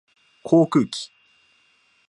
航空機